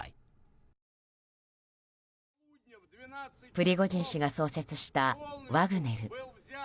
プリゴジン氏が創設したワグネル。